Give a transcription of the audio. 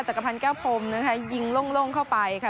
จักรพันธ์แก้วพรมยิงโล่งเข้าไปค่ะ